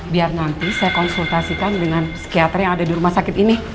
biar nanti saya konsultasikan dengan psikiater yang ada di rumah sakit ini